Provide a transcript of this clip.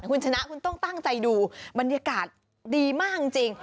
คุณชนะคุณต้องตั้งใจดูบรรยากาศดีมากจริง